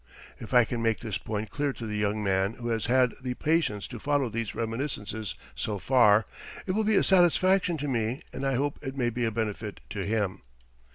If I can make this point clear to the young man who has had the patience to follow these Reminiscences so far, it will be a satisfaction to me and I hope it may be a benefit to him.